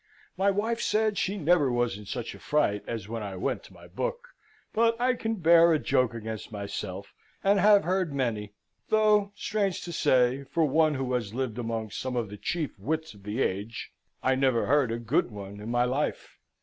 My wife said she never was in such a fright as when I went to my book: but I can bear a joke against myself, and have heard many, though (strange to say, for one who has lived among some of the chief wits of the age) I never heard a good one in my life.